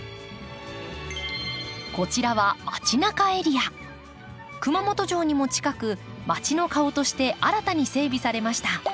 こちらは熊本城にも近くまちの顔として新たに整備されました。